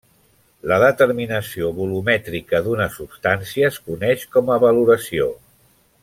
La determinació volumètrica d'una substància es coneix com a valoració.